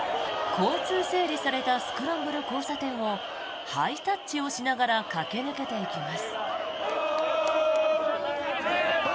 交通整理されたスクランブル交差点をハイタッチをしながら駆け抜けていきます。